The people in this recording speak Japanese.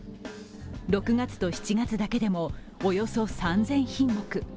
６月と７月だけでもおよそ３０００品目。